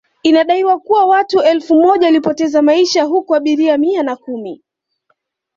Inadaiwa kuwa watu elfu moja walipoteza maisha huku abiria Mia na kumi